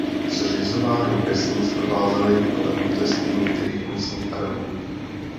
Zřizování vesnic provázely ale protesty některých místních Arabů.